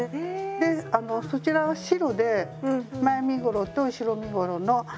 であのそちらは白で前身ごろと後ろ身ごろの丈が違う。